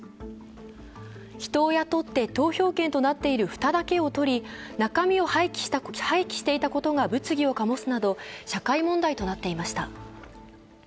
人を雇って投票券となっている蓋だけを取り中身を廃棄していたことが物議を醸すなど、社会問題となっていました。